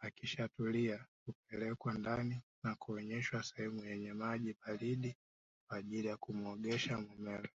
Akishatulia hupelekwa ndani na kuoneshwa sehemu yenye maji baridi kwa ajili ya kumuogesha mumewe